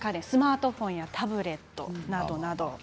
スマートフォンやタブレットなどです。